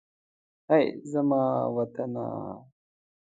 هئ! زما وطنه.